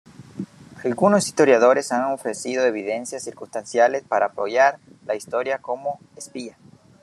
Algunos historiadores han ofrecido evidencias circunstanciales para apoyar la historia como espía.